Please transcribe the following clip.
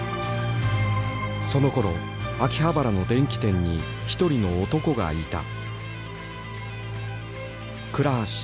そのころ秋葉原の電器店に一人の男がいた。